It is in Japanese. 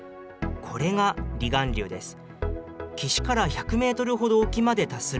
これが離岸流です。